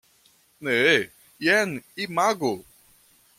Ne, jen imagu!